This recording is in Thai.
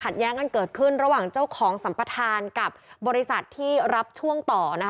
แย้งกันเกิดขึ้นระหว่างเจ้าของสัมปทานกับบริษัทที่รับช่วงต่อนะคะ